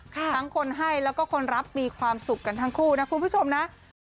ทั้งคนให้แล้วก็คนรับมีความสุขกันทั้งคู่นะคุณผู้ชมนะ